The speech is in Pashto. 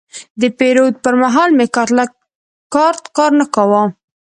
د پیرود پر مهال مې کارت کار نه کاوه.